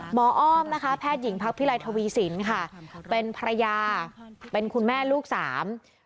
อ้อมนะคะแพทย์หญิงพักพิไลทวีสินค่ะเป็นภรรยาเป็นคุณแม่ลูกสาม